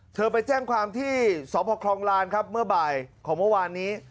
เธอไปแจ้งความที่สพคลองลานครับเมื่อบ่ายของเมื่อวานนี้